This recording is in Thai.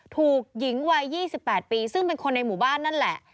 ถูกหญิงวัย๒๘ปีซึ่งเป็นคนในหมู่บ้านนั่นแหละ